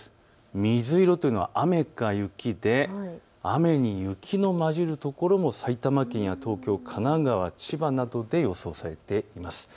水色というのは雨か雪で、雨に雪の混じるところも埼玉県や東京、神奈川、千葉などで予想されています。